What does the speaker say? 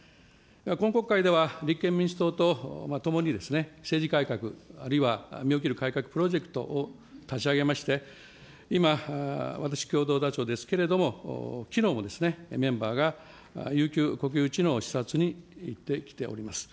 今国会では、立憲民主党と共に、政治改革、あるいは身を切る改革プロジェクトを立ち上げまして、今、私、共同ですけれども、きのうもメンバーがゆうきゅう国有地の視察に行ってきております。